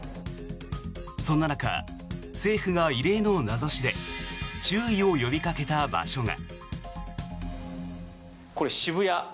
そんな中、政府が異例の名指しで注意を呼びかけた場所が。